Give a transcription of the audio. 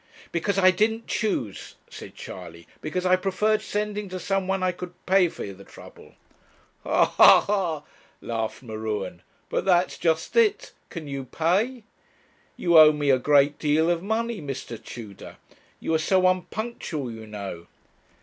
'Because I didn't choose,' said Charley 'because I preferred sending to some one I could pay for the trouble.' 'Ha ha ha,' laughed M'Ruen; 'but that's just it can you pay? You owe me a great deal of money, Mr. Tudor. You are so unpunctual, you know.'